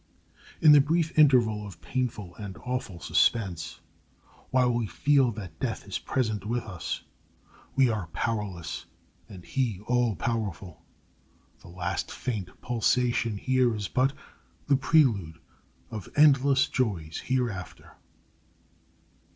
In the brief interval of painful and awful suspense, while we feel that death is present with us, we are powerless and he all powerful. The last faint pulsation here is but the prelude of endless joys hereafter.